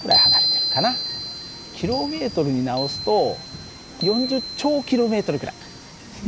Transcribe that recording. ｋｍに直すと４０兆ｋｍくらい。